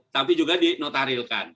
tapi juga dinotarilkan